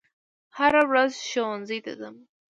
هره ورځ ښوونځي ته ځم